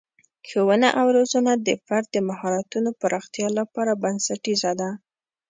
ښوونه او روزنه د فرد د مهارتونو پراختیا لپاره بنسټیزه ده.